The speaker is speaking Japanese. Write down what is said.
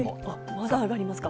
まだ上がりますか。